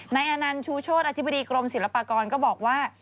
ในอาณานชูโชทอธิบดีกรมศิลปากรก็บอกว่า